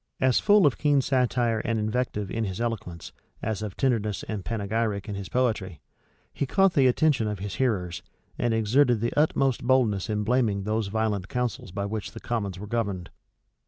As full of keen satire and invective in his eloquence, as of tenderness and panegyric in his poetry, he caught the attention of his hearers, and exerted the utmost boldness in blaming those violent counsels by which the commons were governed.